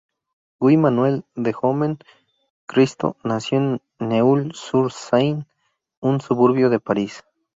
Guy-Manuel de Homem Christo nació en Neuilly-sur-Seine, un suburbio de París.